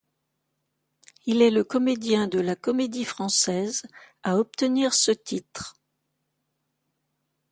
Il est le comédien de la Comédie-Française à obtenir ce titre.